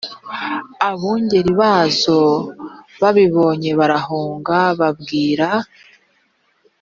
abungeri bazo babibonye barahunga babwira